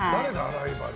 ライバル。